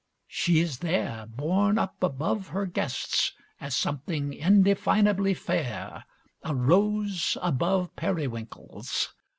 She is there, borne up above her guests as something indefinably fair, a rose above periwinkles.